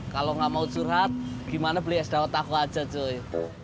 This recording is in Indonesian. kalau nggak mau surhat gimana beli es daun taku aja cuy